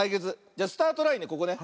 じゃスタートラインねここね。